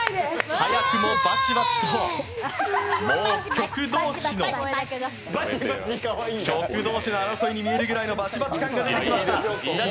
早くもバチバチと局同士の争いに見えるぐらいのバチバチ感が見えてきました。